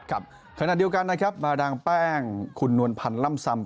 ครับขณะเดียวกันนะครับมาดามแป้งคุณนวลพันธ์ล่ำซำ